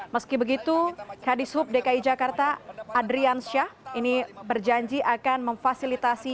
meski begitu kadis hub dki jakarta adrian syah ini berjanji akan memfasilitasi